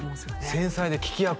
繊細で聞き役？